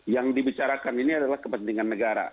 yang dibicarakan ini adalah kepentingan negara